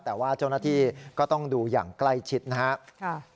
แต่ว่าเจ้าหน้าที่ก็ต้องดูอย่างใกล้ชิดนะครับ